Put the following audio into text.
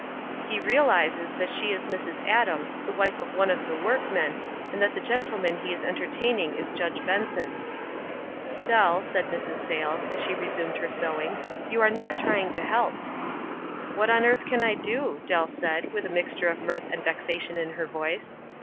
"He realizes that she is Mrs. Adams, the wife of one of the workmen, and that the gen tleman he is entertaining is Judge Benson." "Dell," said Mrs. Sayles, as she resumed her sewing, "you are not trying to help." " What on earth can I do ?" Dell said, with a mixture of mirth and vexation in her voice.